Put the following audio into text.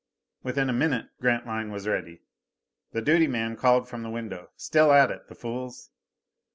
Within a minute Grantline was ready. The duty man called from the window, "Still at it, the fools.